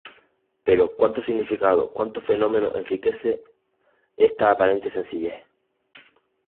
Pero cuánto significado, cuánto fermento enriquece esta aparente sencillez.